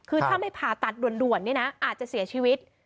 คือถ้าไม่ผ่าตัดด่วนนี่นะอาจจะเสียชีวิต